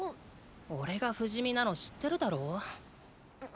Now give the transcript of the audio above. おれが不死身なの知ってるだろ。